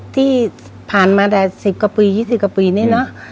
ที่ผ่านมาแต่๑๐กว่าปี๒๐กว่าปีนี่เนอะ